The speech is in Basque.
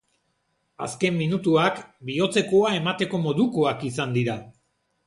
Azken minutuak bihotzekoa emateko modukoak izan dira.